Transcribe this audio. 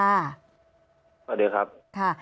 สวัสดีครับ